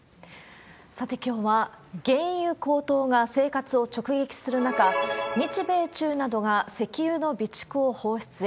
さて、きょうは、原油高騰が生活を直撃する中、日米中などが石油の備蓄を放出へ。